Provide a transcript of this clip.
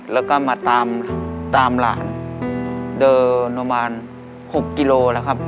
แล้วก็มาตามตามหลานเดินประมาณ๖กิโลแล้วครับ